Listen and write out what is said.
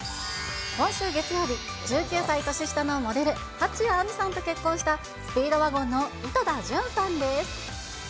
今週月曜日、１９歳年下のモデル、蜂谷晏海さんと結婚した、スピードワゴンの井戸田潤さんです。